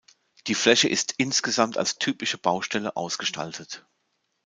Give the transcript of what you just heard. Die Fläche ist insgesamt als typische Baustelle ausgestaltet.